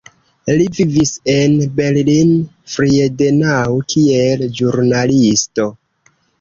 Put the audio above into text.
Li vivis en Berlin-Friedenau kiel ĵurnalisto.